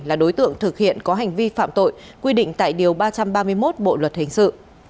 là đối tượng thực hiện có hành vi phạm tội quy định tại điều ba trăm ba mươi một bộ luật hình sự